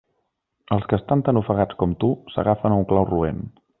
Els que estan tan ofegats com tu s'agafen a un clau roent.